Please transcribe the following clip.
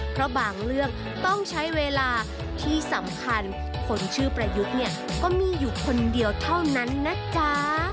เพราะบางเรื่องต้องใช้เวลาที่สำคัญคนชื่อประยุทธ์เนี่ยก็มีอยู่คนเดียวเท่านั้นนะจ๊ะ